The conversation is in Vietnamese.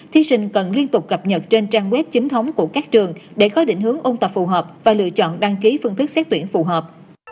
thí sinh cần liên tục cập nhật trên trang web chính thống của các trường để có định hướng ôn tập phù hợp và lựa chọn đăng ký phương thức xét tuyển phù hợp